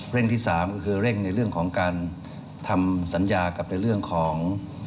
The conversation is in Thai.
ที่สามก็คือเร่งในเรื่องของการทำสัญญากับในเรื่องของ